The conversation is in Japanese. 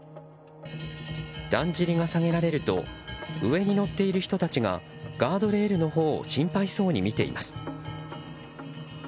だんじりが下げられると上に乗っている人たちがガードレールのほうを心配そうに見ています。